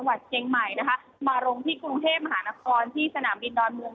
ตัวจากจังหวัดเกงใหม่นะคะมารงที่กรุงเทพมหานครที่สนามบินดอนมุม